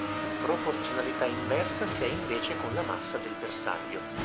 Proporzionalità inversa si ha invece con la massa del bersaglio.